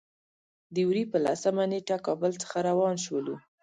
د وري په لسمه نېټه کابل څخه روان شولو.